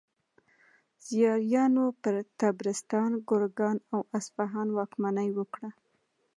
زیاریانو پر طبرستان، ګرګان او اصفهان واکمني وکړه.